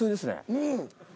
うん。